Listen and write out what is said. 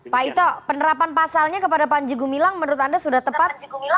pak ito penerapan pasalnya kepada panji gumilang menurut anda sudah tepat